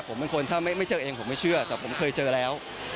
ผมเป็นคนถ้าไม่เจอเองผมไม่เชื่อแต่ผมเคยเจอแล้ว